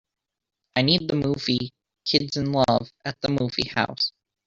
I need the movie Kids in Love at the movie house